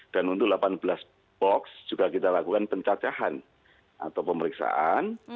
dan untuk delapan belas box juga kita lakukan pencacahan atau pemeriksaan